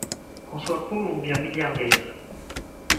Qu’on soit pauvre ou bien milliardaire…